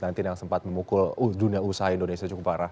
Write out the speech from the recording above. yang sempat memukul dunia usaha indonesia cukup parah